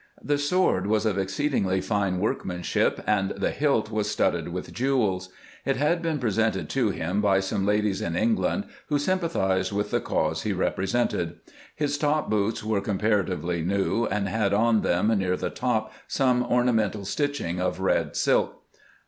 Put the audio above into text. The sword was of exceedingly fine workmanship, and the hilt was studded with jewels. It had been presented to him by some ladies in England who sympathized with the cause he represented. His top boots were compar atively new, and had on them near the top some orna mental stitching of red silk.